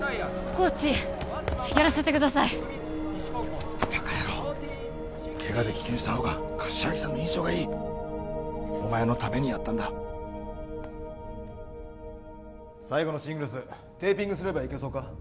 コーチやらせてくださいバカ野郎ケガで棄権したほうが柏木さんの印象がいいお前のためにやったんだ最後のシングルステーピングすればいけそうか？